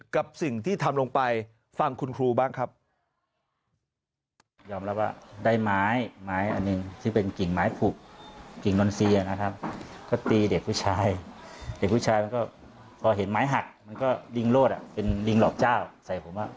กับสิ่งที่ทำลงไปฟังคุณครูบ้างครับ